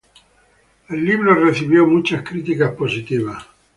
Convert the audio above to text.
El libro recibió muchas críticas positivas.